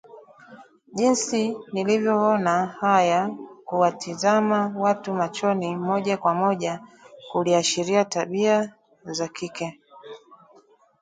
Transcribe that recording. Jinsi nilvyoona haya kuwatizama watu machoni moja kwa moja kuliasharia tabia za kike